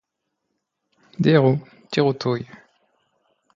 Diru, diru tuj!